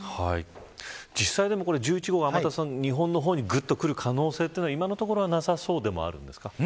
実際１１号は、天達さん日本の方にぐっと来る可能性は今のところはなさそうですか。